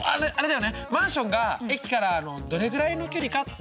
マンションが駅からどれぐらいの距離か？でしょ。